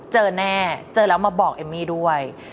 เจอแน่เจอแล้วมาบอกเอมมี่ด้วย